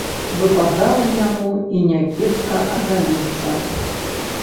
Выпадала яму і не кепска ажаніцца.